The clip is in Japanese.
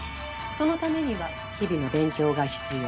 そのためには日々の勉強が必要。